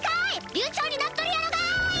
流暢になっとるやろがい！